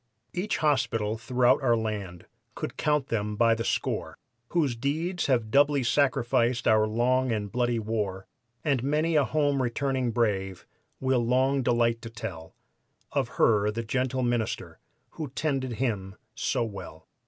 '" Each hospital throughout our land could count them by the score Whose deeds have doubly sanctified our long and bloody war, And many a home returning brave will long delight to tell Of her, the gentle minister, who tended him so well.